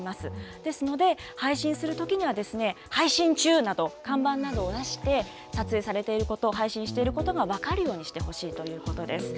ですので、配信するときには配信中など、看板などを出して、撮影されていることを、配信していることが分かるようにしてほしいということです。